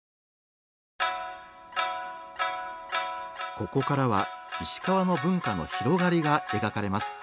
ここからは石川の文化の広がりが描かれます。